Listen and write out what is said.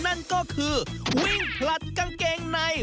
นั่นก็คือวิ่งผลัดกางเกงใน